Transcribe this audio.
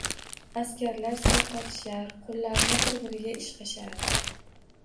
Askarlar sovqotishar, qo`llarini bir-biriga ishqashardi